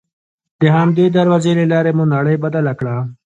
د همدې دروازې له لارې مو نړۍ بدله کړه.